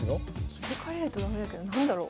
気付かれると駄目だけど何だろう？